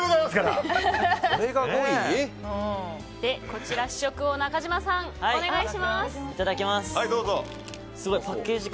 こちら試食を中島さんお願いします。